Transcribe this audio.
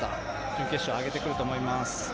準決勝、上げてくると思います。